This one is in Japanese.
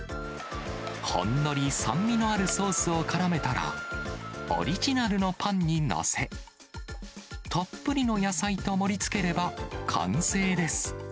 ほんのり酸味のあるソースをからめたら、オリジナルのパンに載せ、たっぷりの野菜と盛りつければ完成です。